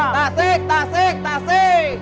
tasik tasik tasik